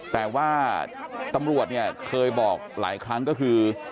แต่ว่าตำรวจเนี่ยเคยบอกหลายครั้งก็คือ